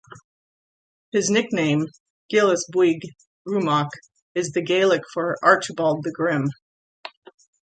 His nickname, "Gillesbuig Grumach" is the Gaelic for "Archibald the Grim".